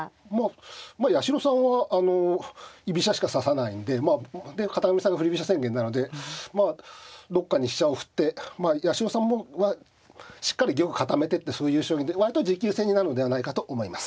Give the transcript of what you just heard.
まあ八代さんは居飛車しか指さないんでで片上さんが振り飛車宣言なのでまあどっかに飛車を振って八代さんはしっかり玉固めてってそういう将棋で割と持久戦になるのではないかと思います。